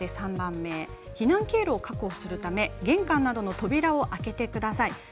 避難経路の確保のために玄関などの扉を開けてください。